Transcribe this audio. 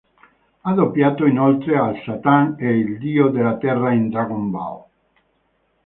Ha doppiato inoltre Al Satan e il Dio della Terra in "Dragon Ball".